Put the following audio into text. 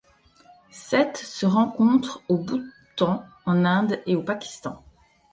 Cette se rencontre au Bhoutan, en Inde et au Pakistan.